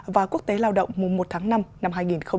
và quốc tế lao động mùa một tháng năm năm hai nghìn hai mươi bốn